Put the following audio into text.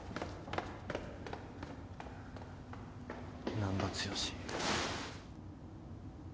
難破剛。